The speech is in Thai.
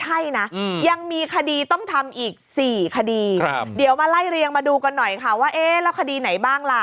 ให้เรียงมาดูกันหน่อยค่ะว่าเอ๊ะแล้วคดีไหนบ้างล่ะ